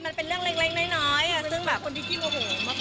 มันเป็นเรื่องเล็กเล็กน้อยน้อยซึ่งแบบคนที่กินโอโหมากมาก